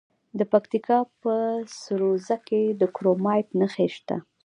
د پکتیکا په سروضه کې د کرومایټ نښې شته.